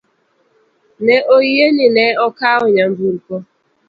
Ne oyie ni ne okawo nyamburko.